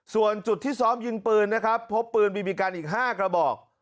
ส่วนจุดที่ซ้อมยิงปืนนะครับพบปืนบีบีกันอีก๕กระบอก